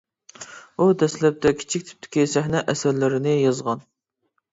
ئۇ دەسلەپتە كىچىك تىپتىكى سەھنە ئەسەرلىرىنى يازغان .